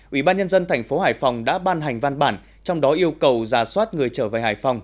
ủy ban nhân dân thành phố hải phòng đã ban hành văn bản trong đó yêu cầu giả soát người trở về hải phòng